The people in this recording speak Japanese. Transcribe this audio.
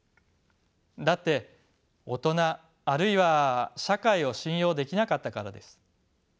だって大人あるいは社会を信用できなかったからです。